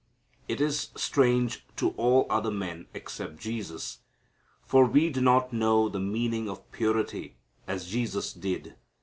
It is strange to all other men except Jesus, for we do not know the meaning of purity as Jesus did.